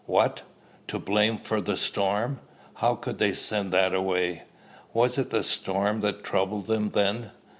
"What! To blame for the storm? How could they send that away?" "Was it the storm that troubled them then?